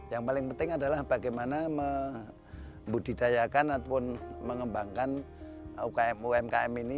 yang paling penting adalah bagaimana membudidayakan ataupun mengembangkan umkm ini